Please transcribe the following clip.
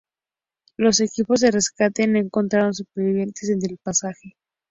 Los equipos de rescate no encontraron supervivientes entre el pasaje.